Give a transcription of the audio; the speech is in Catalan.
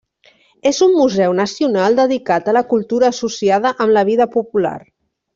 És un museu nacional dedicat a la cultura associada amb la vida popular.